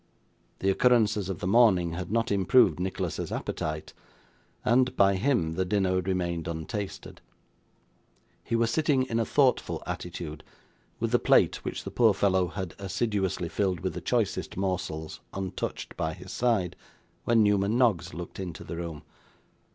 The occurrences of the morning had not improved Nicholas's appetite, and, by him, the dinner remained untasted. He was sitting in a thoughtful attitude, with the plate which the poor fellow had assiduously filled with the choicest morsels, untouched, by his side, when Newman Noggs looked into the room.